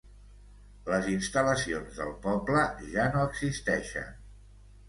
Les instal·lacions del poble ja no existeixen.